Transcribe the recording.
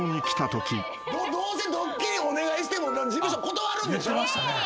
どうせドッキリお願いしても事務所断るんでしょ。